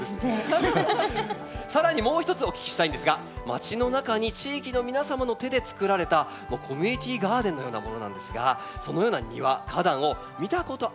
更にもう一つお聞きしたいんですがまちの中に地域の皆様の手でつくられたコミュニティーガーデンのようなものなんですがそのような庭花壇を見たことあるよという方いらっしゃいますか？